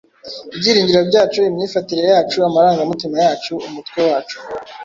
ibyiringiro byacu, imyifatire yacu, amarangamutima yacu, umutwe wacu,